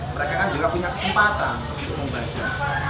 mereka kan juga punya kesempatan untuk membaca